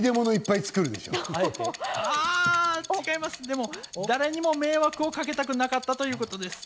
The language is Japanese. でも誰にも迷惑をかけたくなかったということです。